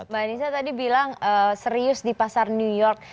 mbak anissa tadi bilang serius di pasar new york